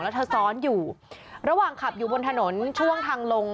แล้วเธอซ้อนอยู่ระหว่างขับอยู่บนถนนช่วงทางลง